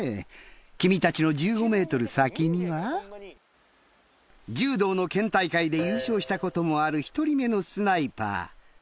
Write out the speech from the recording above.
君たちの１５ｍ先には柔道の県大会で優勝したこともある１人目のスナイパー。